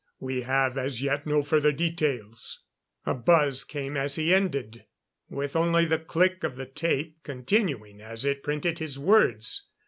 We have as yet no further details...."_ A buzz came as he ended, with only the click of the tape continuing as it printed his words.